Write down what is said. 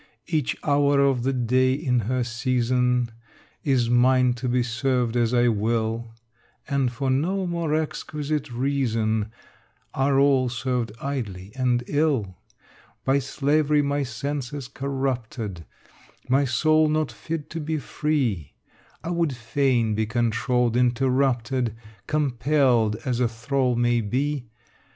Each hour of the day in her season Is mine to be served as I will: And for no more exquisite reason Are all served idly and ill. By slavery my sense is corrupted, My soul not fit to be free: I would fain be controlled, interrupted, Compelled as a thrall may be.